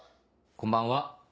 こんばんは。